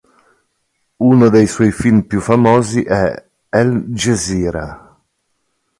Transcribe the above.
Uno dei suoi film più famosi è "El Gzera".